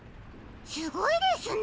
すごいですね！